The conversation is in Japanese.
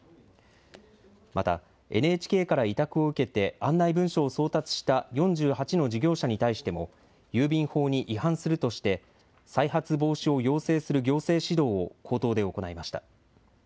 またＮＨＫから委託を受けて案内文書を送達した４８の事業者に対しても郵便法に違反するとして再発防止を要請する行政指導を口頭で行いました。